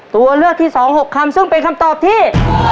ตัวเลือกที่๒๖คำซึ่งเป็นคำตอบที่